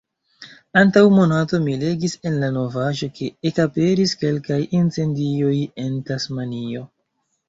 Antaŭ monato, mi legis en la novaĵo ke ekaperis kelkaj incendioj en Tasmanio.